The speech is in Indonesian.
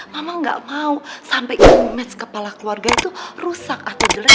mama nggak mau sampai image kepala keluarga itu rusak atau jelek